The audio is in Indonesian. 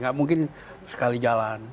nggak mungkin sekali jalan